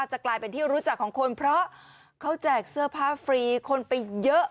จะกลายเป็นที่รู้จักของคนเพราะเขาแจกเสื้อผ้าฟรีคนไปเยอะ